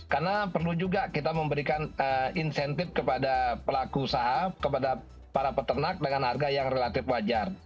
karena perlu juga kita memberikan insentif kepada pelaku usaha kepada para peternak dengan harga yang relatif wajar